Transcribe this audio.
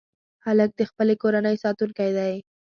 هلک د خپلې کورنۍ ساتونکی دی.